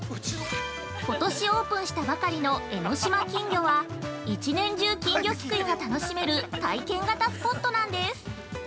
◆ことしオープンしたばかりの江ノ島金魚は１年間中金魚すくいが楽しめる体験型スポットなんです。